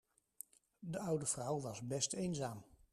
De oude vrouw was best eenzaam.